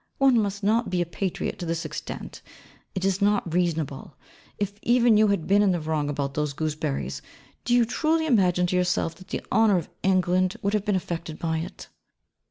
One must not be a patriot to this extent. It is not reasonable. If even you had been in the wrong about those gooseberries, do you truly imagine to yourself that the honour of England would have been affected by it?'